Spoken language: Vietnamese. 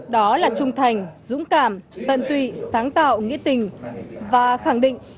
đó là trung thành dũng cảm tận tụy sáng tạo nghĩa tình và khẳng định